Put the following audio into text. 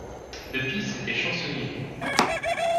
De Piis était chansonnier.